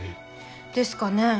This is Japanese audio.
ですかね。